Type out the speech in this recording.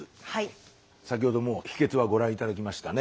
先ほどもう秘けつはご覧頂きましたね。